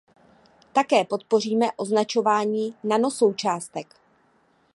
Také podpoříme označování nanosoučástek.